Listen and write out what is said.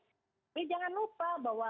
tapi jangan lupa bahwa